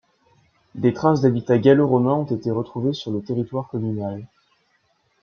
Des traces d'habitat gallo-romain ont été retrouvées sur le territoire communal.